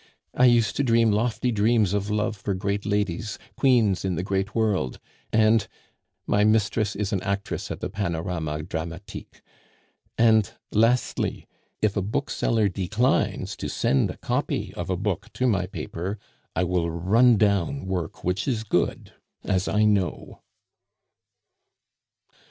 I used to dream lofty dreams of love for great ladies, queens in the great world; and my mistress is an actress at the Panorama Dramatique. And lastly, if a bookseller declines to send a copy of a book to my paper, I will run down work which is good, as I know."